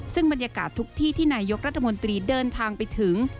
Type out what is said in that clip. ซึ่งบรรยากาศทุกที่ที่นายกรัฐมนตรีเดินทางไปถึง